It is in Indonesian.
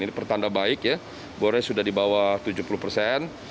ini pertanda baik ya bornya sudah di bawah tujuh puluh persen